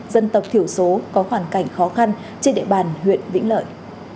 dân tộc thiểu số có hoàn cảnh khó khăn trên địa bàn huyện vĩnh lợi